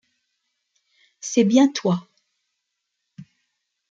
C’est bien toi.